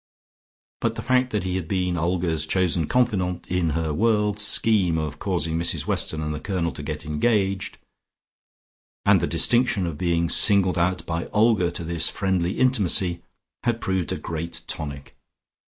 But the fact that he had been Olga's chosen confidant in her wonderful scheme of causing Mrs Weston and the Colonel to get engaged, and the distinction of being singled out by Olga to this friendly intimacy, had proved a great tonic.